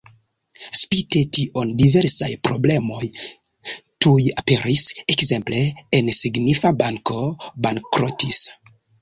Spite tion diversaj problemoj tuj aperis, ekzemple en signifa banko bankrotis.